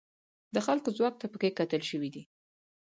د خلکو ځواک ته پکې کتل شوي دي.